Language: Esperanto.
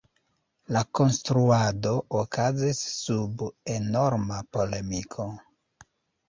La konstruado okazis sub enorma polemiko.